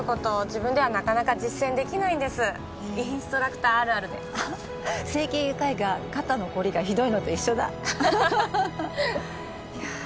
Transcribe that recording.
自分ではなかなか実践できないんですインストラクターあるあるで整形外科医が肩の凝りがひどいのと一緒だいや